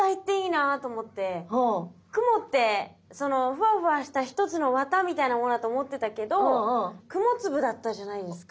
曇ってそのフワフワした一つの綿みたいなものだと思ってたけど雲粒だったじゃないですか。